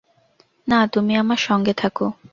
না, তুমি আমার সঙ্গে থাকো।